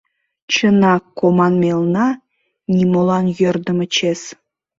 Чынак, команмелна — нимолан йӧрдымӧ чес.